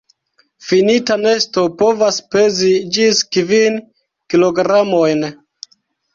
Finita nesto povas pezi ĝis kvin kilogramojn..